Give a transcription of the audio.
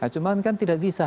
cuma kan tidak bisa